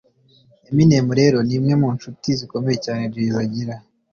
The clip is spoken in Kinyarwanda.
Eminem rero ni umwe mu nshuti zikomeye cyane Jay-Z agira